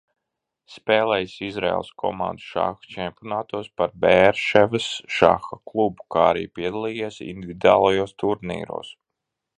Spēlējis Izraēlas komandu šaha čempionātos par Beerševas šaha klubu, kā arī piedalījies individuālajos turnīros.